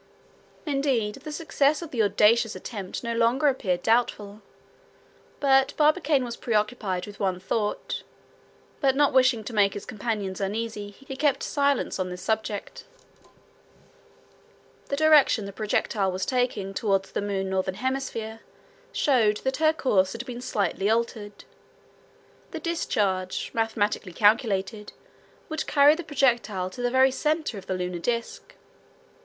Indeed, the success of the audacious attempt no longer appeared doubtful. But Barbicane was preoccupied with one thought; but not wishing to make his companions uneasy, he kept silence on this subject. The direction the projectile was taking toward the moon's northern hemisphere, showed that her course had been slightly altered. The discharge, mathematically calculated, would carry the projectile to the very center of the lunar disc.